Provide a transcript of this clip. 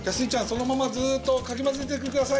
そのままずっとかきまぜててください。